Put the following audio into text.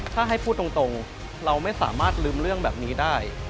ถ้าให้พูดตรงเราไม่สามารถลืมเรื่องแบบนี้ได้